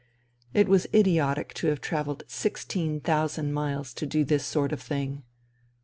It was idiotic to have travelled sixteen thousand miles to do this sort of thing